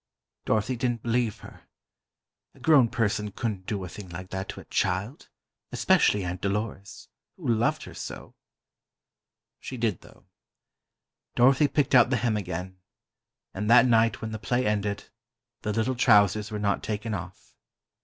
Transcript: Dorothy didn't believe her. A grown person couldn't do a thing like that to a child—especially Aunt Dolores, who loved her so. She did, though. Dorothy picked out the hem again, and that night when the play ended, the little trousers were not taken off.